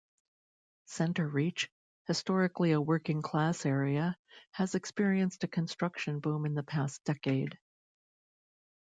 Centereach, historically a working-class area, has experienced a construction boom in the past decade.